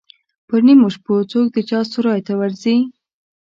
پر نیمو شپو څوک د چا سرای ته ورځي.